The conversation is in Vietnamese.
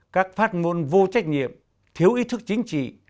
các phát ngôn vô trách nhiệm thiếu ý thức chính trị